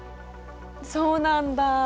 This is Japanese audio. そうなんだ。